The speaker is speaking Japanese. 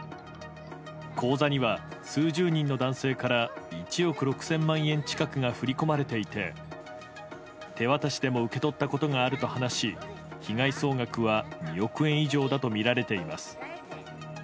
口座には数十人の男性から、１億６０００万円近くが振り込まれていて、手渡しでも受け取ったことがあると話し、被害総額は２億円以上だと見られています。